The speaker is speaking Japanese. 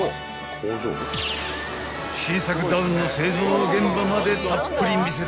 ［新作ダウンの製造現場までたっぷり見せてもらったぞい］